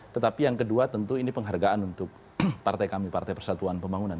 tetapi yang kedua tentu ini penghargaan untuk partai kami partai persatuan pembangunan